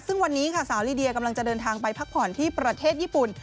ซึ่งวันนี้ค่ะสาวลีเดียกำลังจะเดินทางไปพักผ่อนที่ประเทศญี่ปุ่น